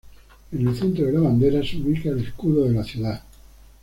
En el centro de la bandera se ubica el escudo de la ciudad.